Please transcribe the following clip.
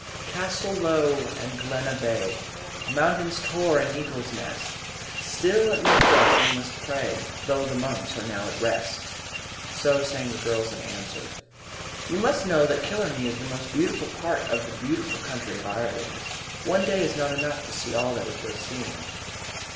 "Castle Lough and Glenna bay, Mountains Tore and Eagle's Nest; Still at Muckross you must pray, Though the monks are now at rest." So sang the girls in answer. You must know that Killarney is the most beautiful part of the beautiful country of Ireland. One day is not enough to see all that is worth seeing.